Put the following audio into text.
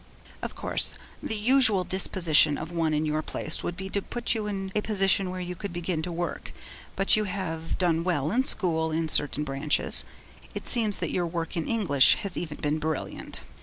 'Of course the usual disposition of one in your place would be to put you in a position where you could begin to work, but you have done well in school in certain branches; it seems that your work in English has even been brilliant.